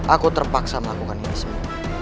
aku terpaksa melakukan ini semua